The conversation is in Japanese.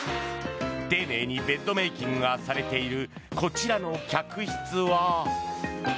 丁寧にベッドメイキングがされているこちらの客室は。